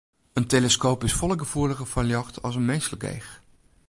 In teleskoop is folle gefoeliger foar ljocht as it minsklik each.